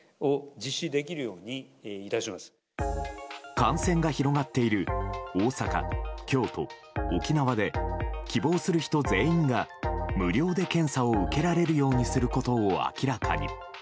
感染が広がっている大阪、京都、沖縄で希望する人全員が無料で検査を受けられるようにすることを明らかに。